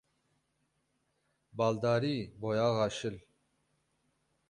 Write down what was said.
Baldarî! Boyaxa şil.